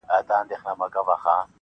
توري بڼي دي په سره لمر کي ځليږي-